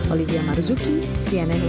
olivia marzuki cnn indonesia